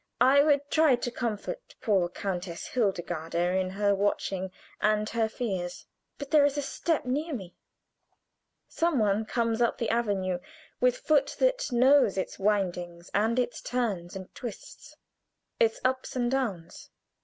I would try to comfort poor Countess Hildegarde in her watching and her fears. But there is a step near me. Some one comes up the avenue, with foot that knows its windings, its turns and twists, its ups and downs.